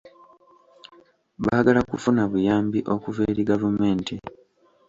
Baagala kufuna buyambi okuva eri gavumenti.